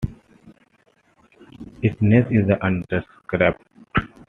Its nest is undescribed.